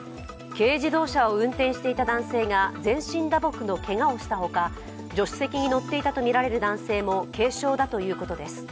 軽自動車を運転していた男性が全身打撲のけがをした他、助手席に乗っていたとみられる男性も軽傷だということです。